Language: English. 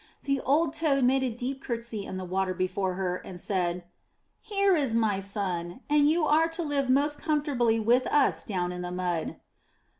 The old toad made a deep curtsy in the water before her, and said, '*Here is my son, and you are to live most comfortably with us down in the mud.''